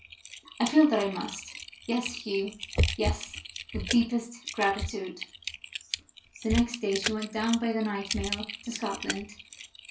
"I feel that I must. Yes, Hugh; yes, with deepest gratitude." The next day she went down by the night mail to Scotland.